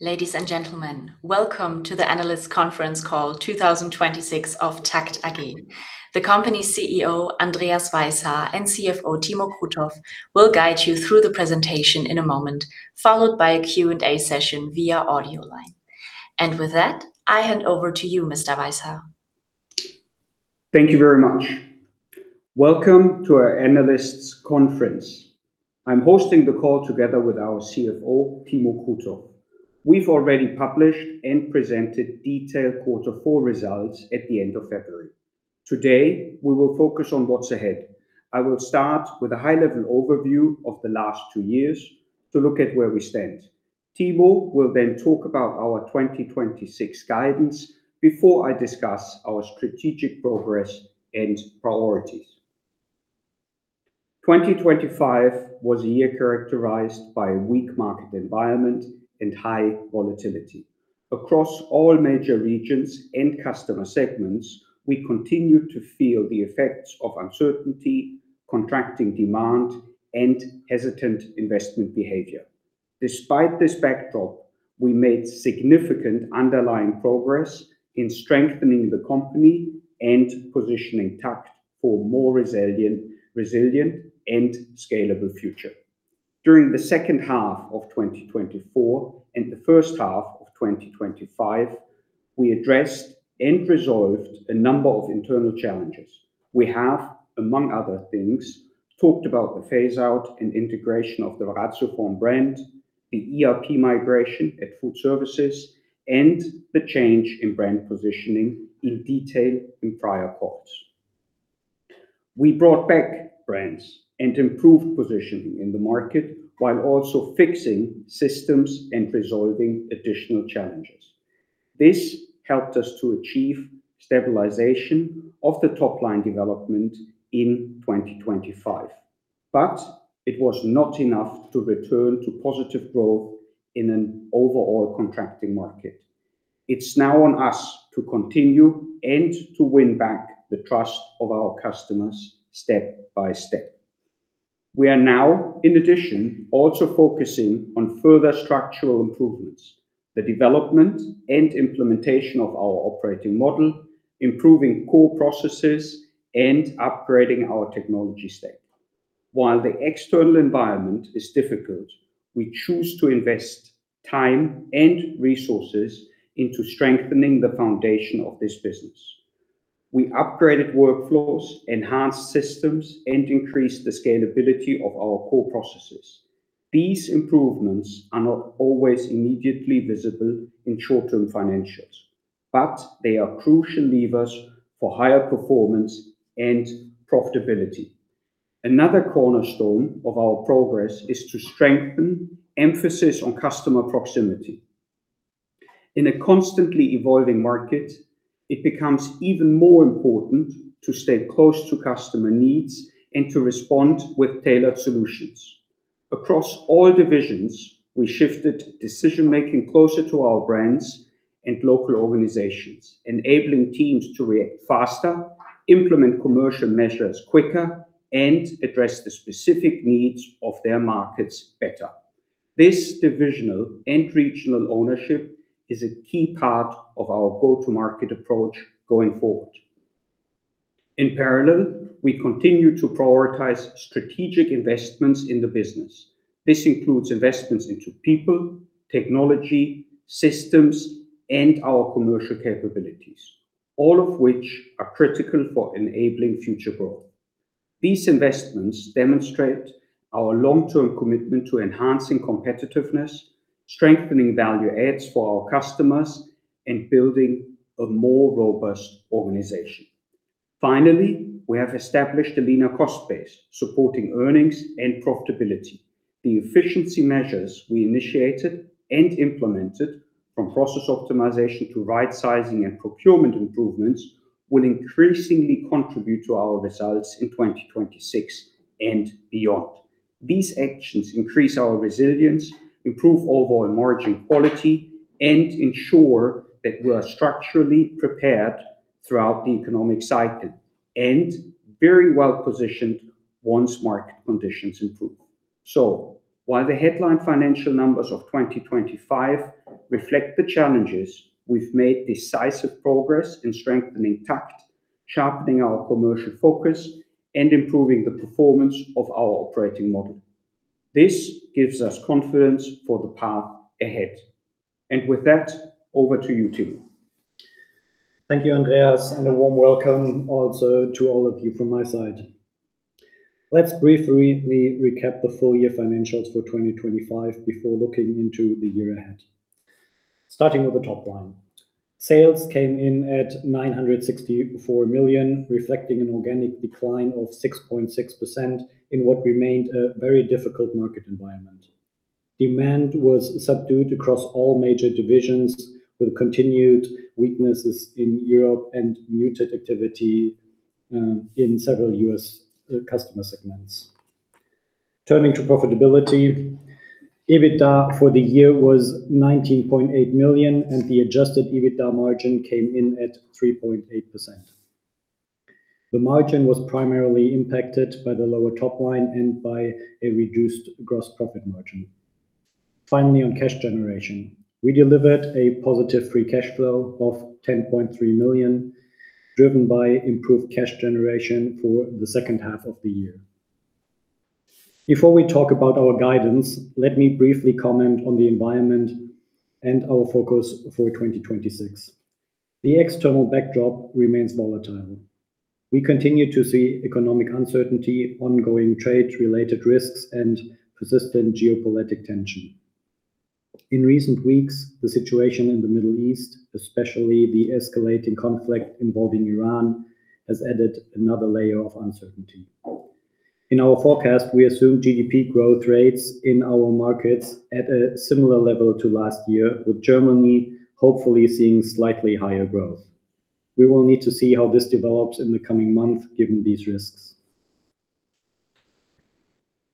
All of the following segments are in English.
Ladies and gentlemen, welcome to the Analyst Conference Call 2026 of TAKKT AG. The company's CEO, Andreas Weishaar, and CFO, Timo Krutoff, will guide you through the presentation in a moment, followed by a Q&A session via audio line. With that, I hand over to you, Mr. Weishaar. Thank you very much. Welcome to our analysts conference. I'm hosting the call together with our CFO, Timo Krutoff. We've already published and presented detailed Q4 results at the end of February. Today, we will focus on what's ahead. I will start with a high-level overview of the last two years to look at where we stand. Timo will then talk about our 2026 guidance before I discuss our strategic progress and priorities. 2025 was a year characterized by a weak market environment and high volatility. Across all major regions and customer segments, we continued to feel the effects of uncertainty, contracting demand, and hesitant investment behavior. Despite this backdrop, we made significant underlying progress in strengthening the company and positioning TAKKT for a more resilient and scalable future. During the second half of 2024 and the first half of 2025, we addressed and resolved a number of internal challenges. We have, among other things, talked about the phase out and integration of the Razormalm brand, the ERP migration at FoodService, and the change in brand positioning in detail in prior calls. We brought back brands and improved positioning in the market while also fixing systems and resolving additional challenges. This helped us to achieve stabilization of the top-line development in 2025, but it was not enough to return to positive growth in an overall contracting market. It's now on us to continue and to win back the trust of our customers step by step. We are now, in addition, also focusing on further structural improvements. The development and implementation of our operating model, improving core processes, and upgrading our technology stack. While the external environment is difficult, we choose to invest time and resources into strengthening the foundation of this business. We upgraded workflows, enhanced systems, and increased the scalability of our core processes. These improvements are not always immediately visible in short-term financials, but they are crucial levers for higher performance and profitability. Another cornerstone of our progress is to strengthen emphasis on customer proximity. In a constantly evolving market, it becomes even more important to stay close to customer needs and to respond with tailored solutions. Across all divisions, we shifted decision-making closer to our brands and local organizations, enabling teams to react faster, implement commercial measures quicker, and address the specific needs of their markets better. This divisional and regional ownership is a key part of our go-to-market approach going forward. In parallel, we continue to prioritize strategic investments in the business. This includes investments into people, technology, systems, and our commercial capabilities, all of which are critical for enabling future growth. These investments demonstrate our long-term commitment to enhancing competitiveness, strengthening value adds for our customers, and building a more robust organization. Finally, we have established a leaner cost base supporting earnings and profitability. The efficiency measures we initiated and implemented, from process optimization to right sizing and procurement improvements, will increasingly contribute to our results in 2026 and beyond. These actions increase our resilience, improve overall margin quality, and ensure that we are structurally prepared throughout the economic cycle and very well-positioned once market conditions improve. While the headline financial numbers of 2025 reflect the challenges, we've made decisive progress in strengthening TAKKT, sharpening our commercial focus, and improving the performance of our operating model. This gives us confidence for the path ahead. With that, over to you, Timo. Thank you, Andreas, and a warm welcome also to all of you from my side. Let's briefly recap the full year financials for 2025 before looking into the year ahead. Starting with the top line. Sales came in at 964 million, reflecting an organic decline of 6.6% in what remained a very difficult market environment. Demand was subdued across all major divisions, with continued weaknesses in Europe and muted activity in several U.S. customer segments. Turning to profitability, EBITDA for the year was 19.8 million, and the adjusted EBITDA margin came in at 3.8%. The margin was primarily impacted by the lower top line and by a reduced gross profit margin. Finally, on cash generation, we delivered a positive free cash flow of 10.3 million, driven by improved cash generation for the second half of the year. Before we talk about our guidance, let me briefly comment on the environment and our focus for 2026. The external backdrop remains volatile. We continue to see economic uncertainty, ongoing trade-related risks and persistent geopolitical tension. In recent weeks, the situation in the Middle East, especially the escalating conflict involving Iran, has added another layer of uncertainty. In our forecast, we assume GDP growth rates in our markets at a similar level to last year, with Germany hopefully seeing slightly higher growth. We will need to see how this develops in the coming months given these risks.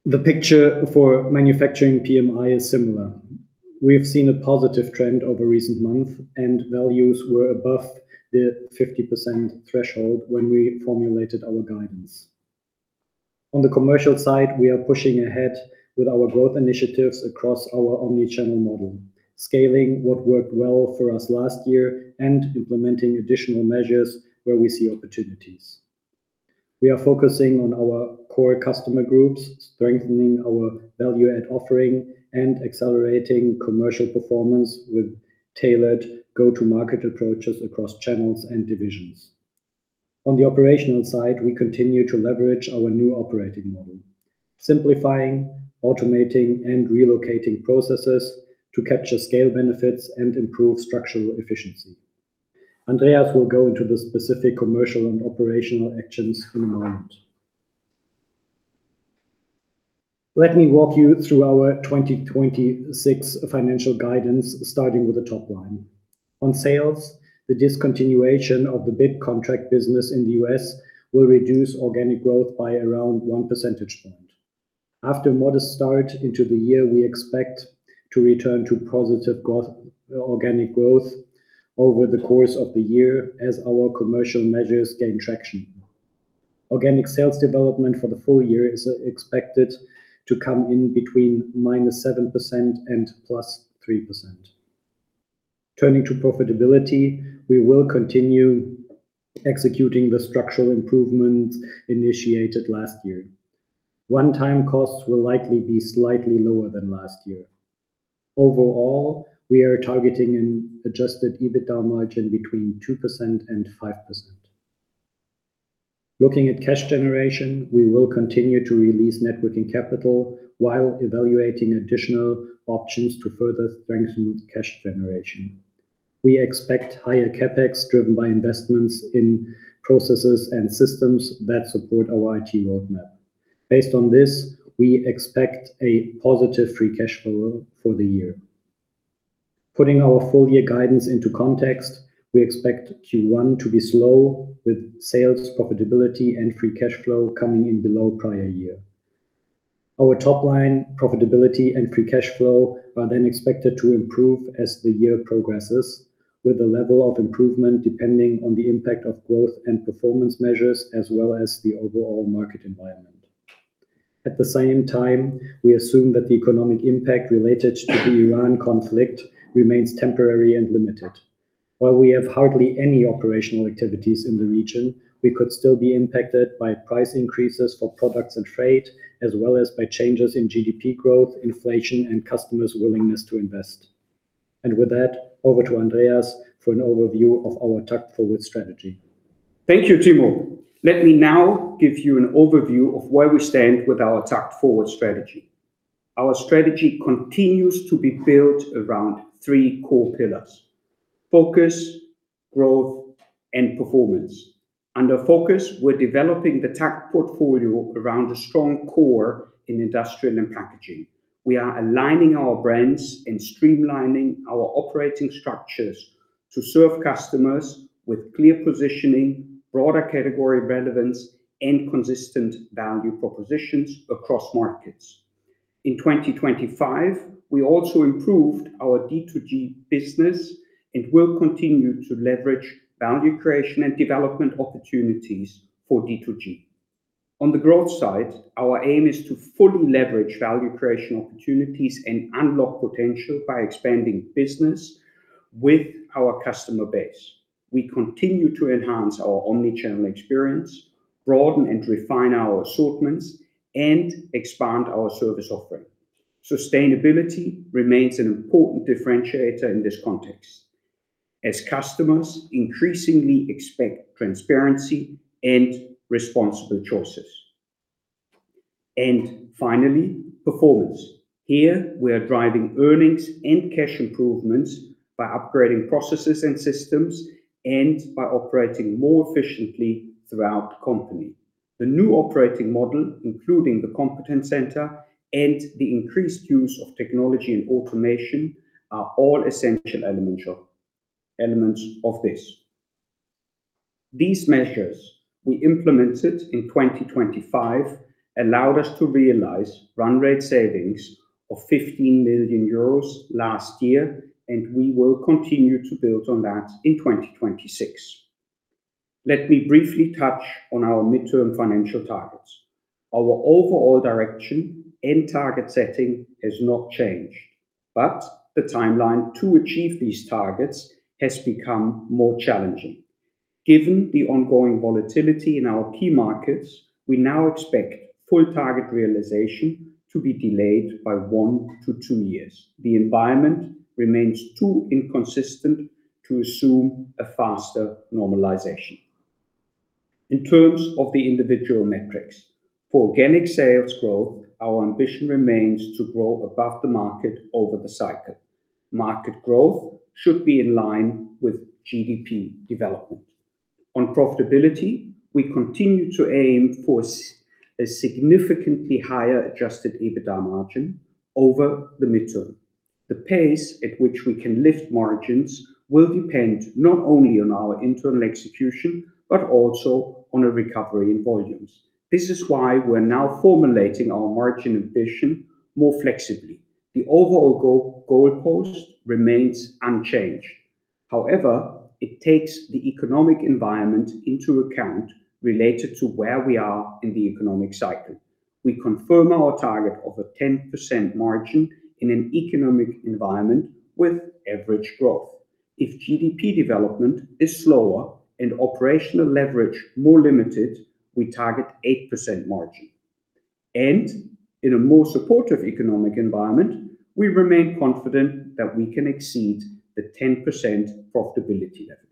The picture for manufacturing PMI is similar. We have seen a positive trend over recent months and values were above the 50% threshold when we formulated our guidance. On the commercial side, we are pushing ahead with our growth initiatives across our omnichannel model, scaling what worked well for us last year and implementing additional measures where we see opportunities. We are focusing on our core customer groups, strengthening our value add offering and accelerating commercial performance with tailored go-to-market approaches across channels and divisions. On the operational side, we continue to leverage our new operating model, simplifying, automating and relocating processes to capture scale benefits and improve structural efficiency. Andreas will go into the specific commercial and operational actions in a moment. Let me walk you through our 2026 financial guidance, starting with the top line. On sales, the discontinuation of the bid contract business in the U.S. will reduce organic growth by around 1 percentage point. After a modest start into the year, we expect to return to positive growth, organic growth over the course of the year as our commercial measures gain traction. Organic sales development for the full year is expected to come in between -7% and +3%. Turning to profitability, we will continue executing the structural improvements initiated last year. One-time costs will likely be slightly lower than last year. Overall, we are targeting an adjusted EBITDA margin between 2% and 5%. Looking at cash generation, we will continue to release net working capital while evaluating additional options to further strengthen cash generation. We expect higher CapEx driven by investments in processes and systems that support our IT roadmap. Based on this, we expect a positive free cash flow for the year. Putting our full year guidance into context, we expect Q1 to be slow with sales profitability and free cash flow coming in below prior year. Our top line profitability and free cash flow are then expected to improve as the year progresses, with the level of improvement depending on the impact of growth and performance measures, as well as the overall market environment. At the same time, we assume that the economic impact related to the Iran conflict remains temporary and limited. While we have hardly any operational activities in the region, we could still be impacted by price increases for products and freight, as well as by changes in GDP growth, inflation and customers' willingness to invest. With that, over to Andreas for an overview of our TAKKT Forward strategy. Thank you, Timo. Let me now give you an overview of where we stand with our TAKKT Forward strategy. Our strategy continues to be built around three core pillars, focus, growth and performance. Under focus, we're developing the TAKKT portfolio around a strong core in industrial and packaging. We are aligning our brands and streamlining our operating structures to serve customers with clear positioning, broader category relevance and consistent value propositions across markets. In 2025, we also improved our D2G business and will continue to leverage value creation and development opportunities for D2G. On the growth side, our aim is to fully leverage value creation opportunities and unlock potential by expanding business with our customer base. We continue to enhance our omnichannel experience, broaden and refine our assortments and expand our service offering. Sustainability remains an important differentiator in this context as customers increasingly expect transparency and responsible choices. Finally, performance. Here we are driving earnings and cash improvements by upgrading processes and systems and by operating more efficiently throughout the company. The new operating model, including the Competence Center and the increased use of technology and automation, are all essential elements of this. These measures we implemented in 2025 allowed us to realize run rate savings of 15 million euros last year, and we will continue to build on that in 2026. Let me briefly touch on our midterm financial targets. Our overall direction and target setting has not changed, but the timeline to achieve these targets has become more challenging. Given the ongoing volatility in our key markets, we now expect full target realization to be delayed by one-two years. The environment remains too inconsistent to assume a faster normalization. In terms of the individual metrics, for organic sales growth, our ambition remains to grow above the market over the cycle. Market growth should be in line with GDP development. On profitability, we continue to aim for a significantly higher adjusted EBITDA margin over the midterm. The pace at which we can lift margins will depend not only on our internal execution, but also on a recovery in volumes. This is why we're now formulating our margin ambition more flexibly. The overall goalpost remains unchanged. However, it takes the economic environment into account related to where we are in the economic cycle. We confirm our target of a 10% margin in an economic environment with average growth. If GDP development is slower and operational leverage more limited, we target 8% margin. In a more supportive economic environment, we remain confident that we can exceed the 10% profitability level.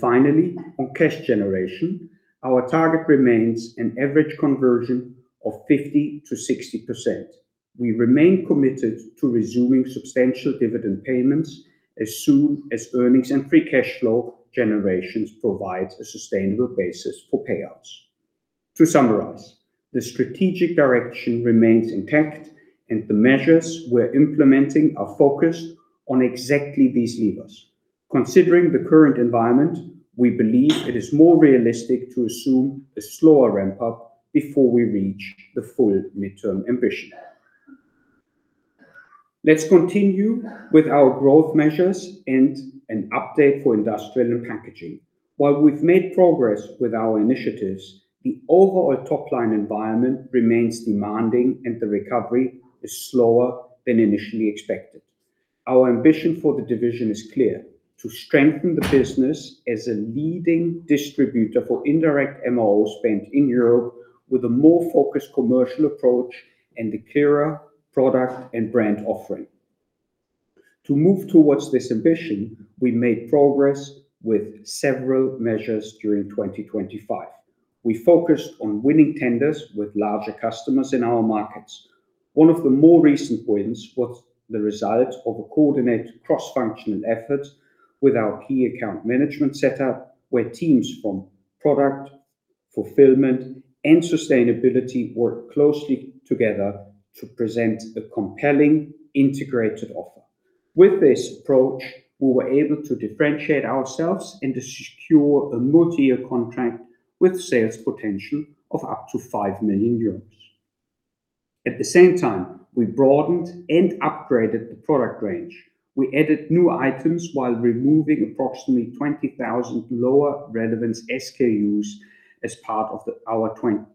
Finally, on cash generation, our target remains an average conversion of 50%-60%. We remain committed to resuming substantial dividend payments as soon as earnings and Free Cash Flow generations provide a sustainable basis for payouts. To summarize, the strategic direction remains intact, and the measures we're implementing are focused on exactly these levers. Considering the current environment, we believe it is more realistic to assume a slower ramp up before we reach the full midterm ambition. Let's continue with our growth measures and an update for Industrial and Packaging. While we've made progress with our initiatives, the overall top line environment remains demanding, and the recovery is slower than initially expected. Our ambition for the division is clear: to strengthen the business as a leading distributor for indirect MRO spend in Europe with a more focused commercial approach and a clearer product and brand offering. To move towards this ambition, we made progress with several measures during 2025. We focused on winning tenders with larger customers in our markets. One of the more recent wins was the result of a coordinated cross-functional effort with our key account management setup, where teams from product, fulfillment, and sustainability work closely together to present a compelling integrated offer. With this approach, we were able to differentiate ourselves and to secure a multi-year contract with sales potential of up to 5 million euros. At the same time, we broadened and upgraded the product range. We added new items while removing approximately 20,000 lower relevance SKUs as part of our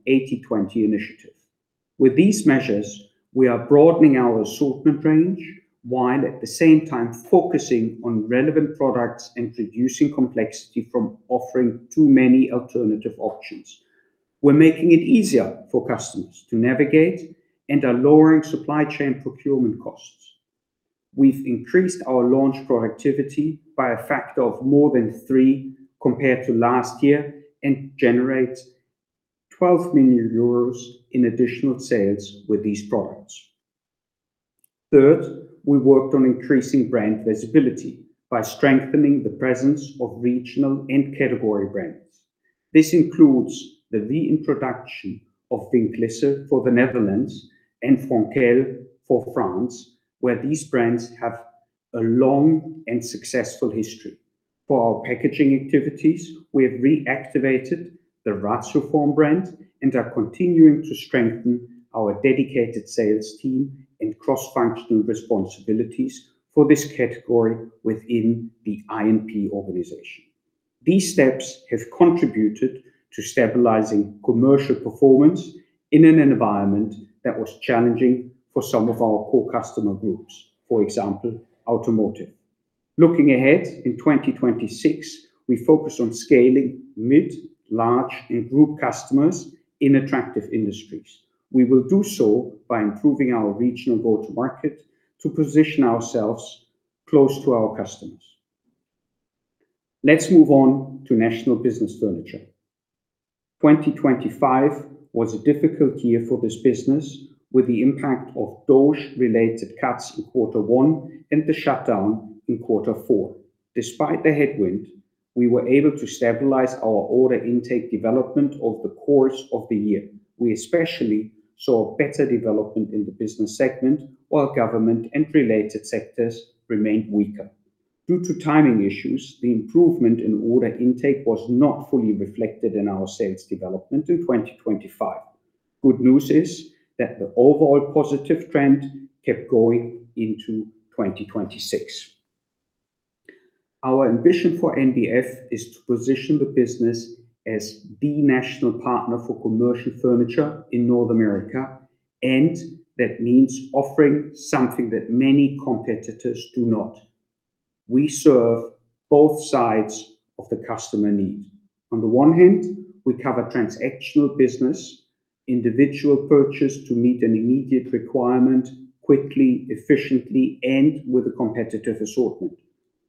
80/20 initiative. With these measures, we are broadening our assortment range, while at the same time focusing on relevant products and reducing complexity from offering too many alternative options. We're making it easier for customers to navigate and are lowering supply chain procurement costs. We've increased our launch productivity by a factor of more than three compared to last year and generate 12 million euros in additional sales with these products. Third, we worked on increasing brand visibility by strengthening the presence of regional and category brands. This includes the reintroduction of Vink Lezer for the Netherlands and Fonquelle for France, where these brands have a long and successful history. For our packaging activities, we have reactivated the Ratioform brand and are continuing to strengthen our dedicated sales team and cross-functional responsibilities for this category within the INP organization. These steps have contributed to stabilizing commercial performance in an environment that was challenging for some of our core customer groups, for example, automotive. Looking ahead in 2026, we focus on scaling mid, large, and group customers in attractive industries. We will do so by improving our regional go-to-market to position ourselves close to our customers. Let's move on to National Business Furniture. 2025 was a difficult year for this business, with the impact of DOGE-related cuts in Q1 and the shutdown in Q4. Despite the headwind, we were able to stabilize our order intake development over the course of the year. We especially saw better development in the business segment, while government and related sectors remained weaker. Due to timing issues, the improvement in order intake was not fully reflected in our sales development in 2025. Good news is that the overall positive trend kept going into 2026. Our ambition for NBF is to position the business as the national partner for commercial furniture in North America, and that means offering something that many competitors do not. We serve both sides of the customer need. On the one hand, we cover transactional business, individual purchase to meet an immediate requirement quickly, efficiently, and with a competitive assortment.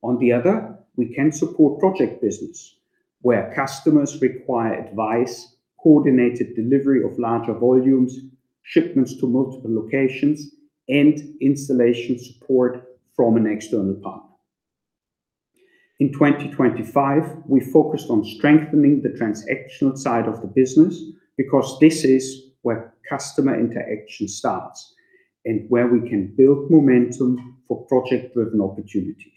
On the other, we can support project business where customers require advice, coordinated delivery of larger volumes, shipments to multiple locations, and installation support from an external partner. In 2025, we focused on strengthening the transactional side of the business because this is where customer interaction starts and where we can build momentum for project-driven opportunities.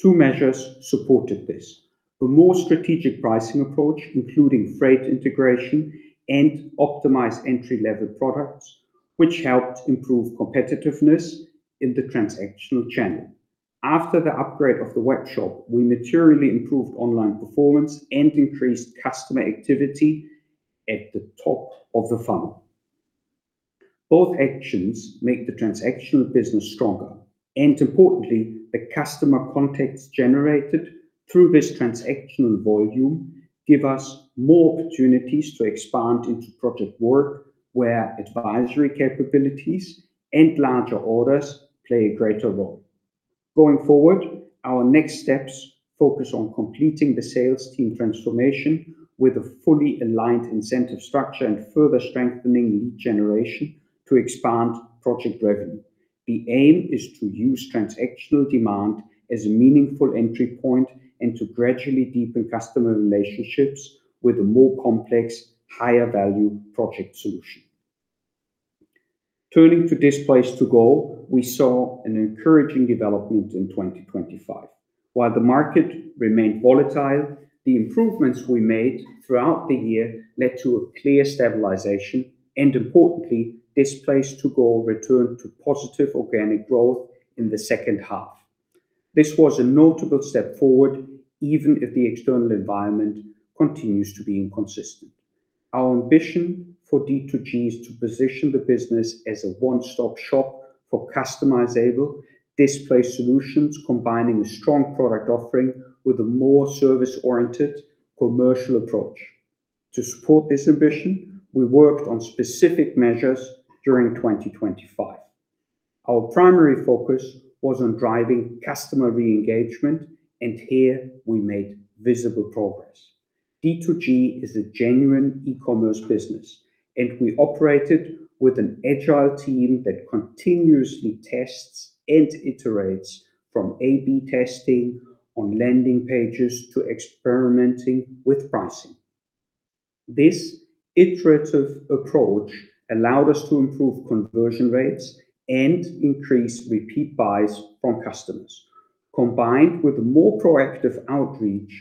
Two measures supported this. A more strategic pricing approach, including freight integration and optimized entry-level products, which helped improve competitiveness in the transactional channel. After the upgrade of the webshop, we materially improved online performance and increased customer activity at the top of the funnel. Both actions make the transactional business stronger, and importantly, the customer contacts generated through this transactional volume give us more opportunities to expand into project work where advisory capabilities and larger orders play a greater role. Going forward, our next steps focus on completing the sales team transformation with a fully aligned incentive structure and further strengthening lead generation to expand project revenue. The aim is to use transactional demand as a meaningful entry point and to gradually deepen customer relationships with a more complex, higher-value project solution. Turning to Displays2go, we saw an encouraging development in 2025. While the market remained volatile, the improvements we made throughout the year led to a clear stabilization, and importantly, Displays2go returned to positive organic growth in the second half. This was a notable step forward, even if the external environment continues to be inconsistent. Our ambition for D2G is to position the business as a one-stop shop for customizable display solutions, combining a strong product offering with a more service-oriented commercial approach. To support this ambition, we worked on specific measures during 2025. Our primary focus was on driving customer re-engagement, and here we made visible progress. D2G is a genuine e-commerce business, and we operate it with an agile team that continuously tests and iterates from A/B testing on landing pages to experimenting with pricing. This iterative approach allowed us to improve conversion rates and increase repeat buys from customers. Combined with more proactive outreach,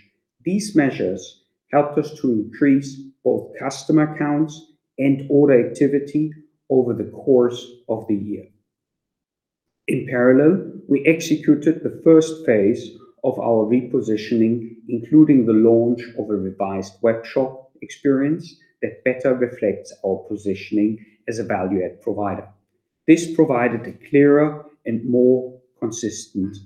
these measures helped us to increase both customer counts and order activity over the course of the year. In parallel, we executed the first phase of our repositioning, including the launch of a revised webshop experience that better reflects our positioning as a value-add provider. This provided a clearer and more consistent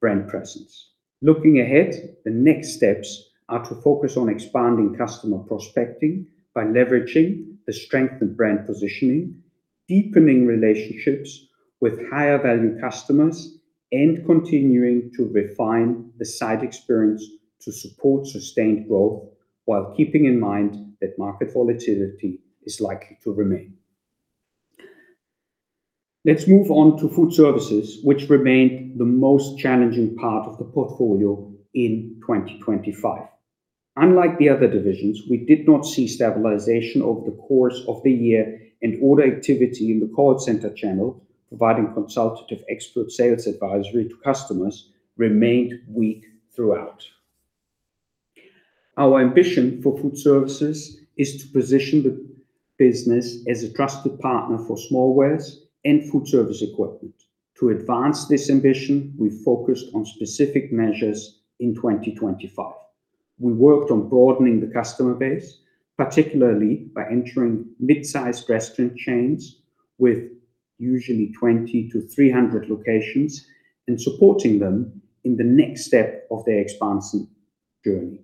brand presence. Looking ahead, the next steps are to focus on expanding customer prospecting by leveraging the strengthened brand positioning, deepening relationships with higher-value customers, and continuing to refine the site experience to support sustained growth while keeping in mind that market volatility is likely to remain. Let's move on to FoodService, which remained the most challenging part of the portfolio in 2025. Unlike the other divisions, we did not see stabilization over the course of the year, and order activity in the call center channel, providing consultative expert sales advisory to customers, remained weak throughout. Our ambition for food services is to position the business as a trusted partner for smallwares and food service equipment. To advance this ambition, we focused on specific measures in 2025. We worked on broadening the customer base, particularly by entering mid-sized restaurant chains with usually 20-300 locations and supporting them in the next step of their expansion journey.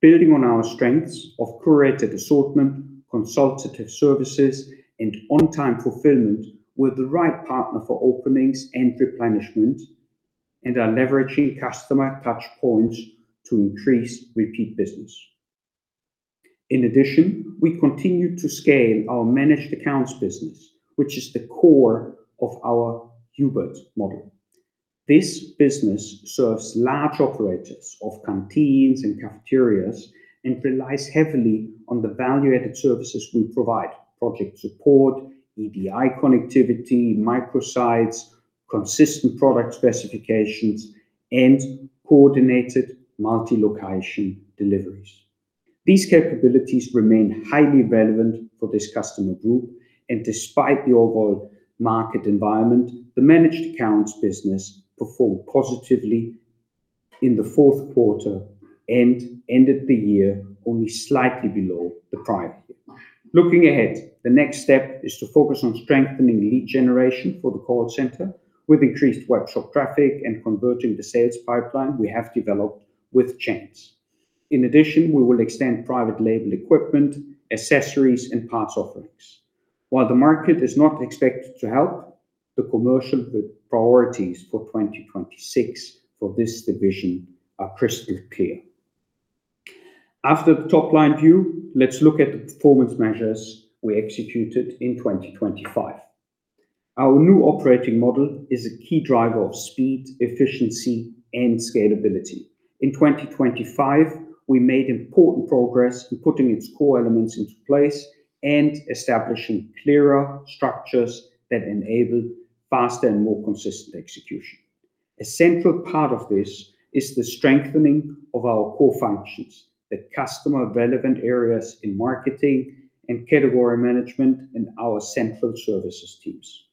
Building on our strengths of curated assortment, consultative services, and on-time fulfillment, we're the right partner for openings and replenishment and are leveraging customer touchpoints to increase repeat business. In addition, we continued to scale our managed accounts business, which is the core of our Hubert model. This business serves large operators of canteens and cafeterias and relies heavily on the value-added services we provide: project support, EDI connectivity, microsites, consistent product specifications, and coordinated multi-location deliveries. These capabilities remain highly relevant for this customer group. Despite the overall market environment, the managed accounts business performed positively in the Q4 and ended the year only slightly below the prior year. Looking ahead, the next step is to focus on strengthening lead generation for the call center. We've increased workshop traffic and converting the sales pipeline we have developed with change. In addition, we will extend Private Label equipment, accessories, and parts offerings. While the market is not expected to help, the commercial priorities for 2026 for this division are crystal clear. After the top-line view, let's look at the performance measures we executed in 2025. Our new operating model is a key driver of speed, efficiency, and scalability. In 2025, we made important progress in putting its core elements into place and establishing clearer structures that enable faster and more consistent execution. A central part of this is the strengthening of our core functions, the customer-relevant areas in marketing and category management, and our central services teams.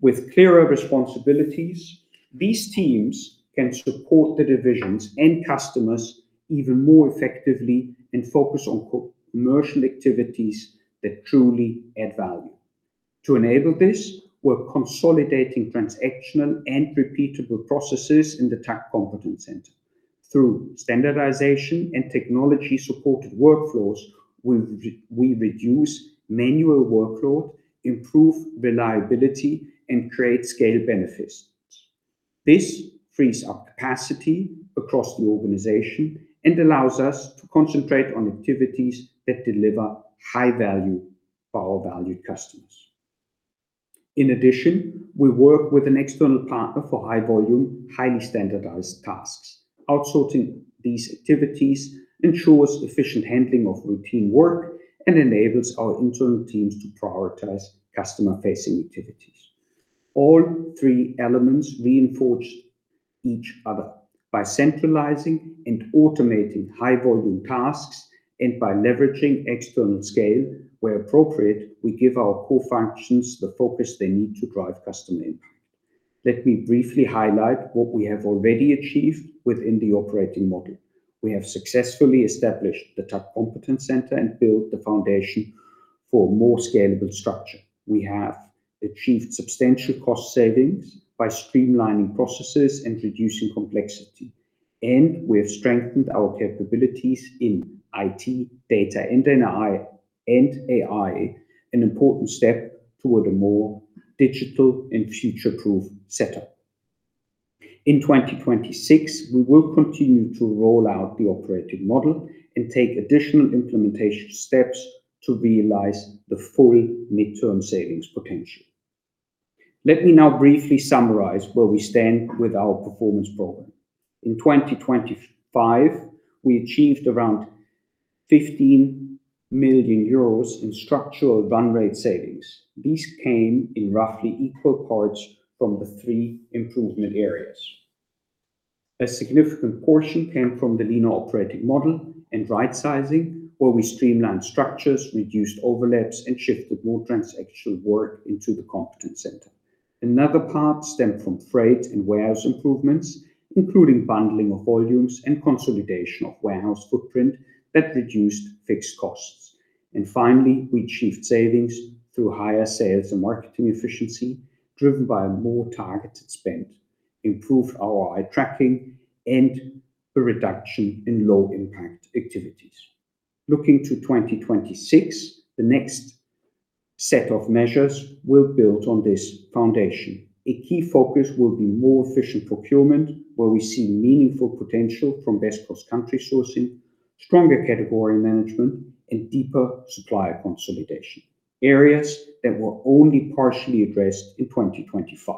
With clearer responsibilities, these teams can support the divisions and customers even more effectively and focus on co-commercial activities that truly add value. To enable this, we're consolidating transactional and repeatable processes in the Tech Competence Center. Through standardization and technology-supported workflows, we reduce manual workload, improve reliability, and create scale benefits. This frees up capacity across the organization and allows us to concentrate on activities that deliver high value for our valued customers. In addition, we work with an external partner for high volume, highly standardized tasks. Outsourcing these activities ensures efficient handling of routine work and enables our internal teams to prioritize customer-facing activities. All three elements reinforce each other. By centralizing and automating high volume tasks and by leveraging external scale where appropriate, we give our core functions the focus they need to drive customer impact. Let me briefly highlight what we have already achieved within the operating model. We have successfully established the Tech Competence Center and built the foundation for more scalable structure. We have achieved substantial cost savings by streamlining processes and reducing complexity. We have strengthened our capabilities in IT, data, and AI, an important step toward a more digital and future-proof setup. In 2026, we will continue to roll out the operating model and take additional implementation steps to realize the full midterm savings potential. Let me now briefly summarize where we stand with our performance program. In 2025, we achieved around 15 million euros in structural run rate savings. These came in roughly equal parts from the three improvement areas. A significant portion came from the leaner operating model and rightsizing, where we streamlined structures, reduced overlaps, and shifted more transactional work into the Competence Center. Another part stemmed from freight and warehouse improvements, including bundling of volumes and consolidation of warehouse footprint that reduced fixed costs. Finally, we achieved savings through higher sales and marketing efficiency driven by a more targeted spend, improved ROI tracking, and a reduction in low-impact activities. Looking to 2026, the next set of measures will build on this foundation. A key focus will be more efficient procurement, where we see meaningful potential from best cross-country sourcing, stronger category management, and deeper supplier consolidation, areas that were only partially addressed in 2025.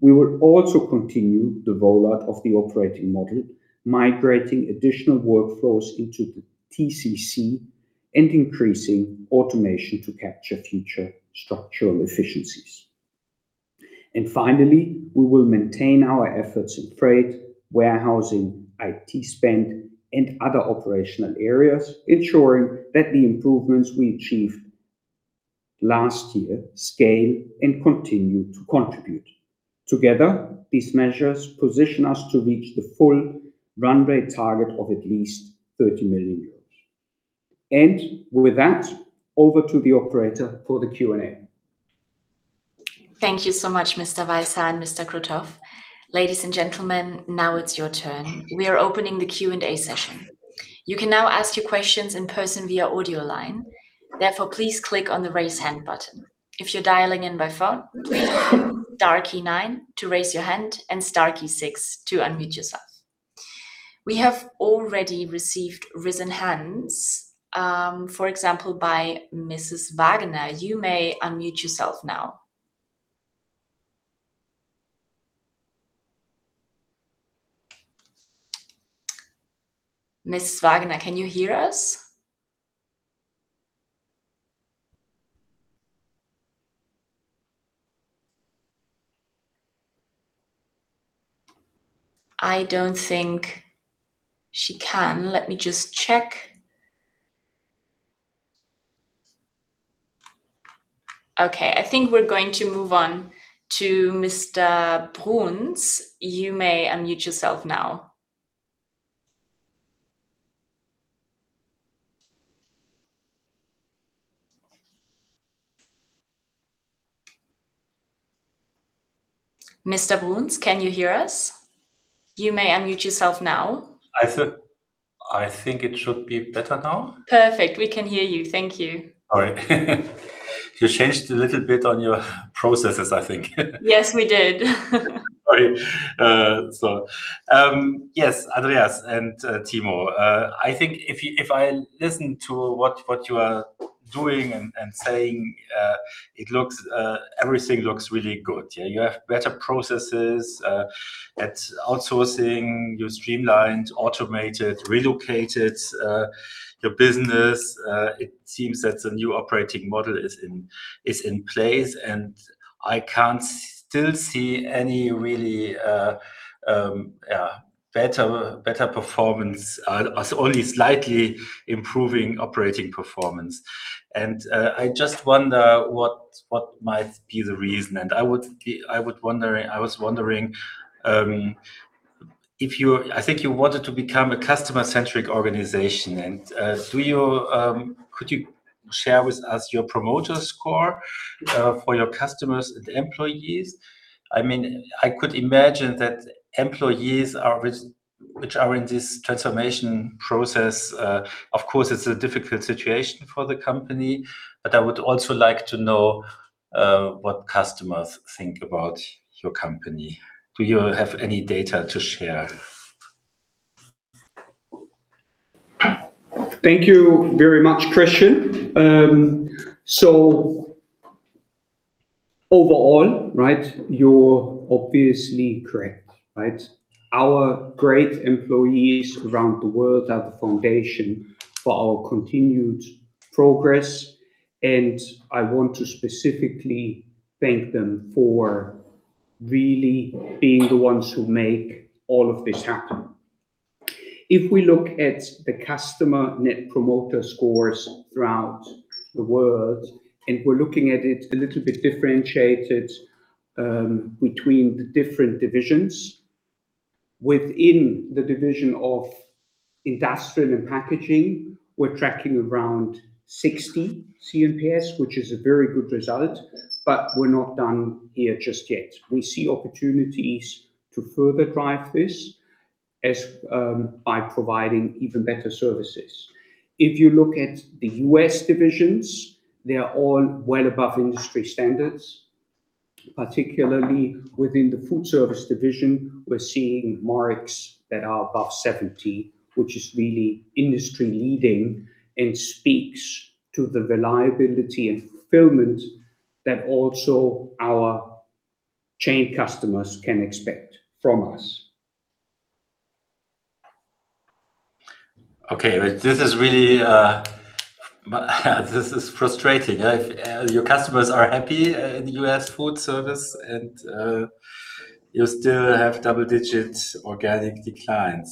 We will also continue the rollout of the operating model, migrating additional workflows into the TCC and increasing automation to capture future structural efficiencies. Finally, we will maintain our efforts in freight, warehousing, IT spend, and other operational areas, ensuring that the improvements we achieved last year scale and continue to contribute. Together, these measures position us to reach the full run rate target of at least 30 million euros. With that, over to the operator for the Q&A. Thank you so much, Mr. Weishaar and Mr. Krutoff. Ladies and gentlemen, now it's your turn. We are opening the Q&A session. You can now ask your questions in person via audio line. Therefore, please click on the Raise Hand button. If you're dialing in by phone, star key nine to raise your hand and star key six to unmute yourself. We have already received raised hands, for example, by Mrs. Wagner. You may unmute yourself now. Mrs. Wagner, can you hear us? I don't think she can. Let me just check. Okay, I think we're going to move on to Mr. Bruns. You may unmute yourself now. Mr. Bruns, can you hear us? You may unmute yourself now. I think it should be better now. Perfect. We can hear you. Thank you. All right. You changed a little bit on your processes, I think. Yes, we did. All right. Yes, Andreas and Timo, I think if I listen to what you are doing and saying, everything looks really good. Yeah. You have better processes at outsourcing, you streamlined, automated, relocated your business. It seems that the new operating model is in place, and I can still see only slightly improving operating performance. I just wonder what might be the reason, and I was wondering, I think you wanted to become a customer-centric organization. Could you share with us your promoter score for your customers and employees? I mean, I could imagine that employees, which are in this transformation process, of course, it's a difficult situation for the company. I would also like to know what customers think about your company. Do you have any data to share? Thank you very much, Christian. Overall, right, you're obviously correct, right? Our great employees around the world are the foundation for our continued progress, and I want to specifically thank them for really being the ones who make all of this happen. If we look at the customer net promoter scores throughout the world, and we're looking at it a little bit differentiated between the different divisions. Within the division of industrial and packaging, we're tracking around 60 CNPS, which is a very good result, but we're not done here just yet. We see opportunities to further drive this as by providing even better services. If you look at the U.S. divisions, they are all well above industry standards, particularly within the FoodService division, we're seeing marks that are above 70, which is really industry-leading and speaks to the reliability and fulfillment that also our chain customers can expect from us. Okay. This is really frustrating. Your customers are happy in the U.S. food service, and you still have double-digit organic declines.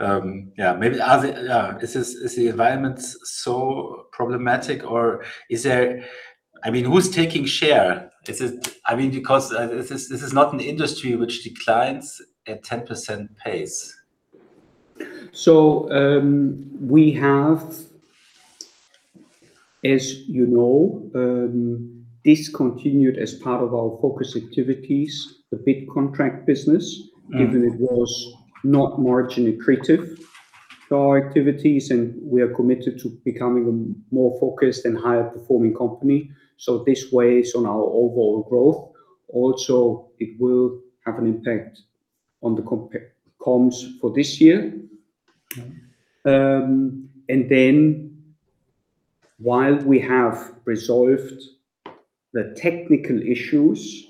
Is this the environment so problematic or is there I mean, who's taking share? I mean, because this is not an industry which declines at 10% pace. We have, as you know, discontinued as part of our focus activities, the big contract business. Mm. Given it was not margin accretive to our activities, and we are committed to becoming a more focused and higher-performing company. This weighs on our overall growth. Also, it will have an impact on the comps for this year. Mm. While we have resolved the technical issues,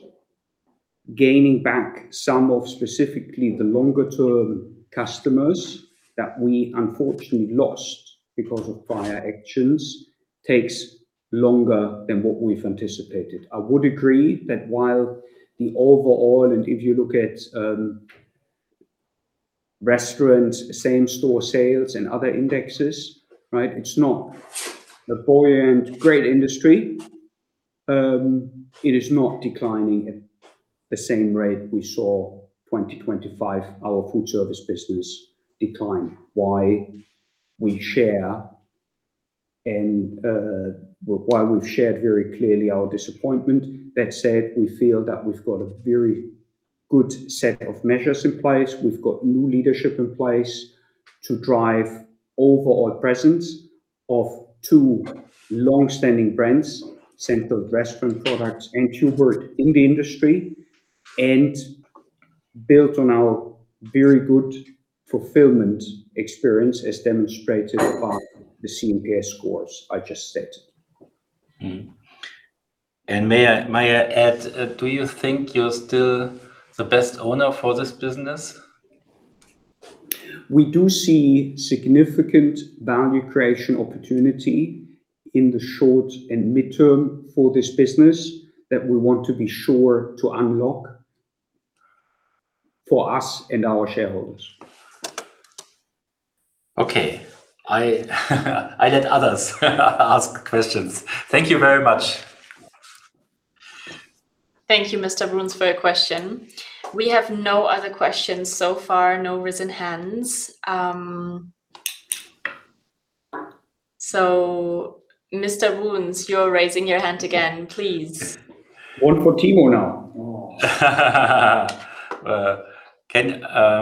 gaining back some of specifically the longer-term customers that we unfortunately lost because of prior actions takes longer than what we've anticipated. I would agree that while the overall, and if you look at, restaurants, same-store sales and other indexes, right. It's not a buoyant, great industry. It is not declining at the same rate we saw 2025, our FoodService business decline. While we share and while we've shared very clearly our disappointment. That said, we feel that we've got a very good set of measures in place. We've got new leadership in place to drive overall presence of two long-standing brands, Central Restaurant Products and Hubert in the industry, and built on our very good fulfillment experience as demonstrated by the CNPS scores I just said. Mm-hmm. May I add, do you think you're still the best owner for this business? We do see significant value creation opportunity in the short and midterm for this business that we want to be sure to unlock for us and our shareholders. Okay. I let others ask questions. Thank you very much. Thank you, Mr. Bruns, for your question. We have no other questions so far. No raised hands. Mr. Bruns, you're raising your hand again, please. One for Timo now. Oh.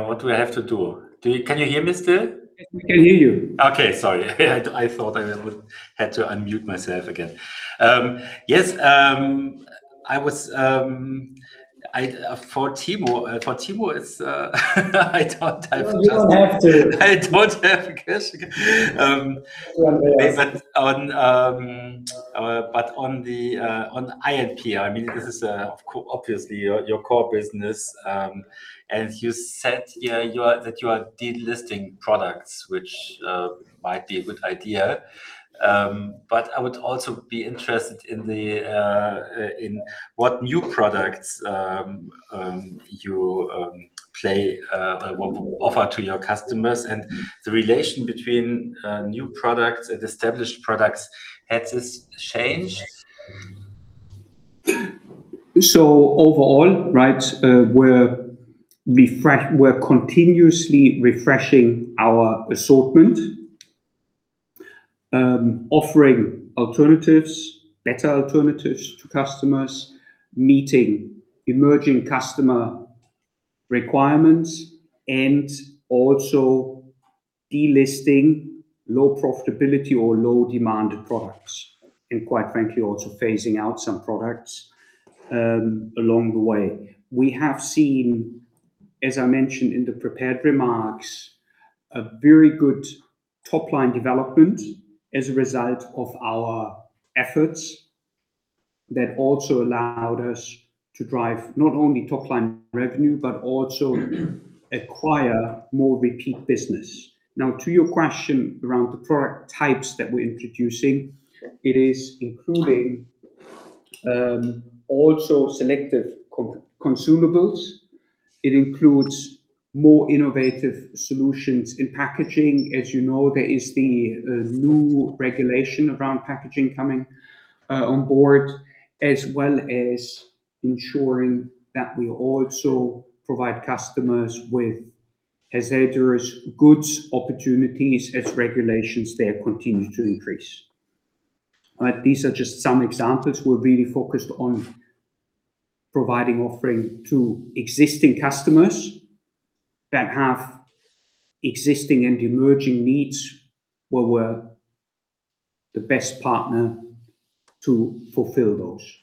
What do I have to do? Can you hear me still? We can hear you. Okay. Sorry. I thought I had to unmute myself again. Yes, I was for Timo. It's I don't have a question. No, you don't have to. I don't have a question. On INP, I mean, this is obviously your core business. You said, yeah, you are delisting products, which might be a good idea. I would also be interested in what new products you plan to offer to your customers and the relation between new products and established products. Has this changed? Overall, we're continuously refreshing our assortment, offering alternatives, better alternatives to customers, meeting emerging customer requirements, and also delisting low profitability or low demand products, and quite frankly, also phasing out some products along the way. We have seen, as I mentioned in the prepared remarks, a very good top-line development as a result of our efforts that also allowed us to drive not only top-line revenue, but also acquire more repeat business. Now, to your question around the product types that we're introducing, it is including also selective consumables. It includes more innovative solutions in packaging. As you know, there is the new regulation around packaging coming on board, as well as ensuring that we also provide customers with hazardous goods opportunities as regulations there continue to increase. These are just some examples. We're really focused on providing offerings to existing customers that have existing and emerging needs where we're the best partner to fulfill those.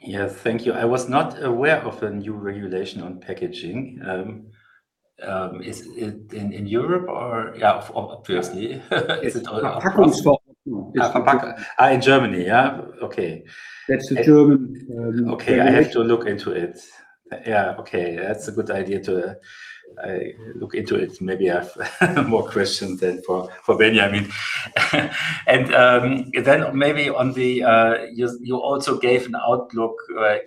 Yeah. Thank you. I was not aware of a new regulation on packaging. Is it in Europe? Yeah, obviously. From Pakistan. In Germany, yeah? Okay. That's the German. Okay. I have to look into it. Yeah, okay. That's a good idea to look into it. Maybe I have more questions then for Benjamin. Then maybe on the U.S. You also gave an outlook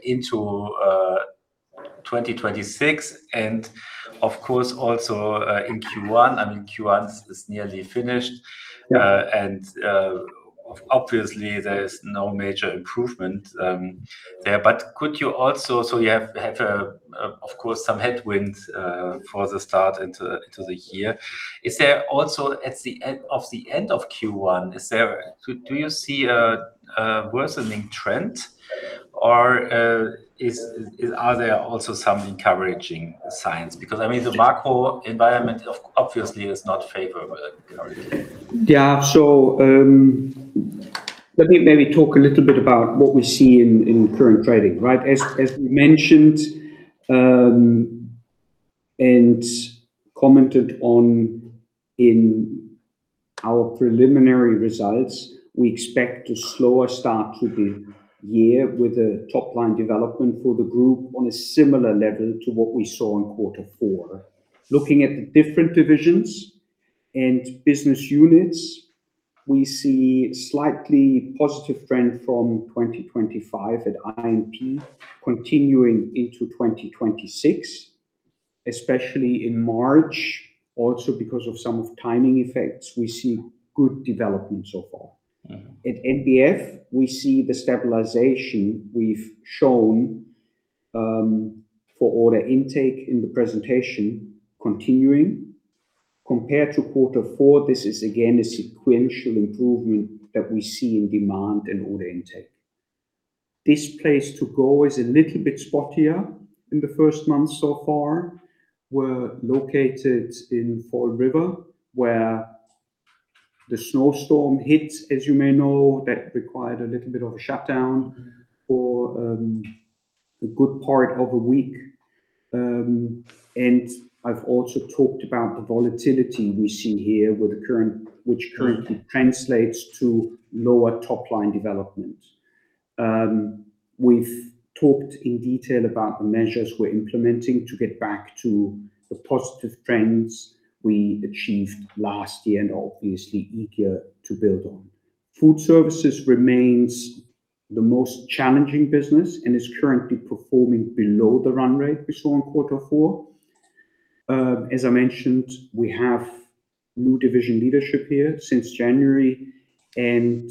into 2026 and of course also in Q1. Q1 is nearly finished. Yeah. Obviously there is no major improvement there. You have of course some headwinds for the start into the year. At the end of Q1, do you see a worsening trend or are there some encouraging signs? Because I mean, the macro environment obviously is not favorable currently. Let me maybe talk a little bit about what we see in current trading, right? As we mentioned and commented on in our preliminary results, we expect a slower start to the year with a top-line development for the group on a similar level to what we saw in Q4. Looking at the different divisions and business units, we see slightly positive trend from 2025 at INP continuing into 2026, especially in March. Also, because of some of timing effects, we see good development so far. Mm-hmm. At NBF, we see the stabilization we've shown for order intake in the presentation continuing. Compared to Q4, this is again a sequential improvement that we see in demand and order intake. Displays2go is a little bit spottier in the first month so far. We're located in Fall River where the snowstorm hit, as you may know, that required a little bit of a shutdown for a good part of a week. I've also talked about the volatility we see here, which currently translates to lower top line development. We've talked in detail about the measures we're implementing to get back to the positive trends we achieved last year, and obviously eager to build on. FoodService remains the most challenging business and is currently performing below the run rate we saw in Q4. As I mentioned, we have new division leadership here since January and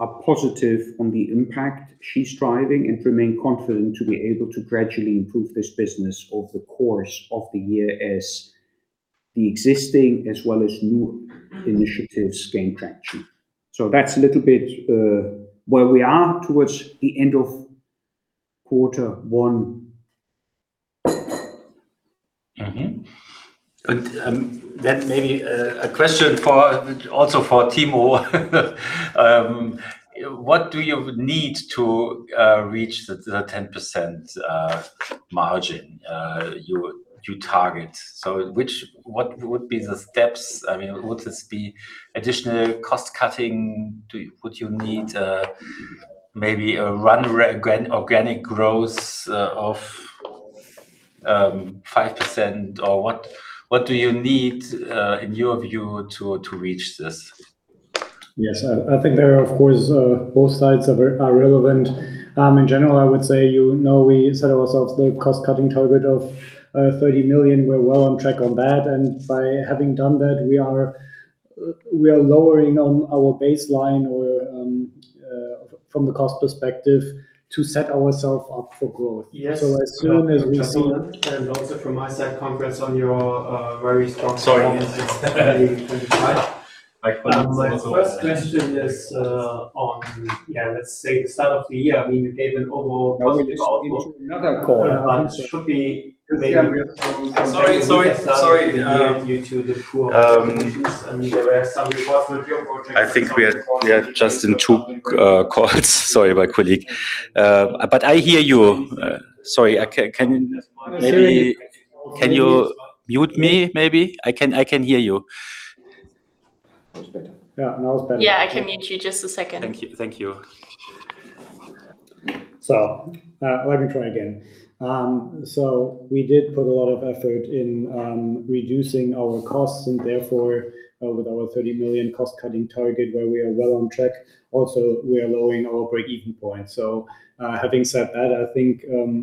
are positive on the impact she's driving and remain confident to be able to gradually improve this business over the course of the year as the existing as well as new initiatives gain traction. That's a little bit where we are towards the end of Q1. Then maybe a question also for Timo. What do you need to reach the 10% margin you target? What would be the steps? I mean, would this be additional cost-cutting? Would you need maybe a run-rate organic growth of 5%? Or what do you need in your view to reach this? Yes. I think there are, of course, both sides are relevant. In general, I would say, you know, we set ourselves the cost-cutting target of 30 million. We're well on track on that. By having done that, we are lowering on our baseline or from the cost perspective to set ourselves up for growth. Yes. As soon as we see. From my side, congrats on your very strong- Sorry. Performance. It's definitely much. My first question is, on, yeah, let's say the start of the year. I mean, you gave an overall positive outlook. No, this is into another call. Should we maybe? Sorry. I think we are just in two calls. Sorry, my colleague. I hear you. Sorry. Can you mute me maybe? I can hear you. That's better. Yeah, now it's better. Yeah. I can mute you. Just a second. Thank you. Thank you. Let me try again. We did put a lot of effort in reducing our costs and therefore with our 30 million cost-cutting target where we are well on track, also we are lowering our break-even point. Having said that, I think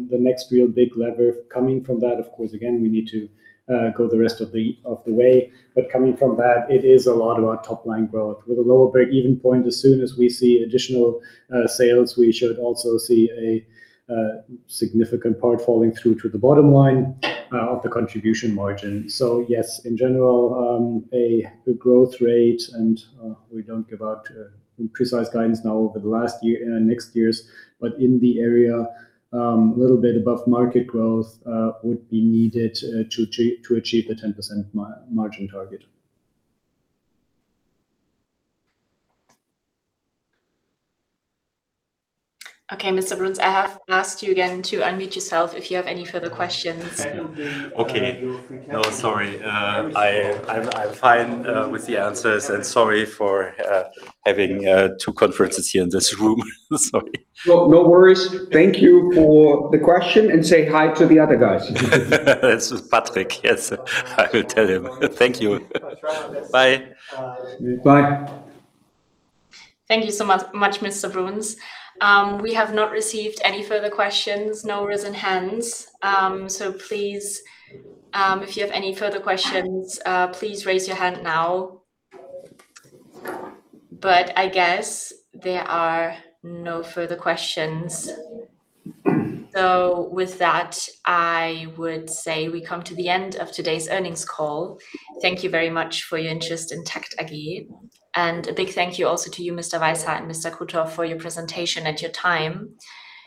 the next real big lever coming from that, of course again, we need to go the rest of the way, but coming from that it is a lot about top line growth. With a lower break-even point, as soon as we see additional sales, we should also see a significant part falling through to the bottom line of the contribution margin. Yes, in general, a growth rate, and we don't give out precise guidance now over the last year and next year's, but in the area, a little bit above market growth would be needed to achieve the 10% margin target. Okay, Mr. Bruns, I have asked you again to unmute yourself if you have any further questions. Okay. No, sorry. I'm fine with the answers and sorry for having two conferences here in this room. Sorry. No, no worries. Thank you for the question, and say hi to the other guys. This is Patrick. Yes, I will tell him. Thank you. Bye. Bye. Bye. Thank you so much, Mr. Bruns. We have not received any further questions. No raised hands. Please, if you have any further questions, please raise your hand now. I guess there are no further questions. With that, I would say we come to the end of today's earnings call. Thank you very much for your interest in TAKKT AG. A big thank you also to you, Mr. Weishaar and Mr. Krutoff for your presentation and your time.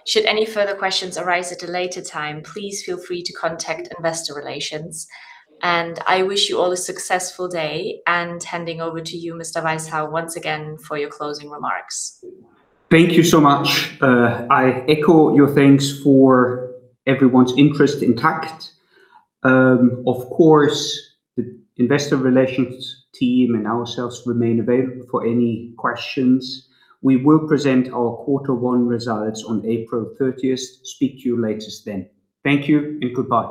Should any further questions arise at a later time, please feel free to contact investor relations. I wish you all a successful day. Handing over to you, Mr. Weishaar, once again for your closing remarks. Thank you so much. I echo your thanks for everyone's interest in TAKKT. Of course, the investor relations team and ourselves remain available for any questions. We will present our Q1 results on April 30th. Speak to you later then. Thank you and goodbye.